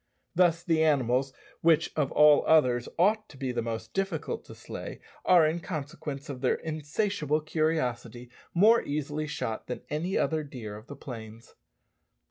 Thus the animals, which of all others ought to be the most difficult to slay, are, in consequence of their insatiable curiosity, more easily shot than any other deer of the plains.